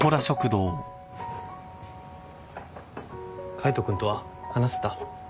海斗君とは話せた？